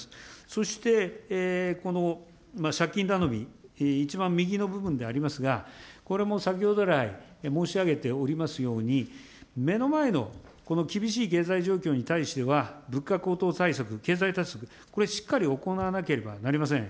そして、この借金頼み、一番右の部分でありますが、これも先ほど来、申し上げておりますように、目の前の厳しい経済状況に対しては、物価高騰対策、経済対策、これ、しっかり行わなければなりません。